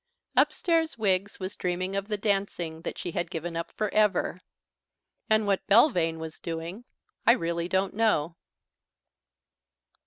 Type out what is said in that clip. Upstairs Wiggs was dreaming of the dancing that she had given up for ever. And what Belvane was doing I really don't know.